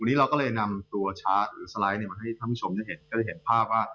วันนี้เราก็เลยนำตัวสไลด์มาให้ท่านผู้ชมเห็นภาพว่า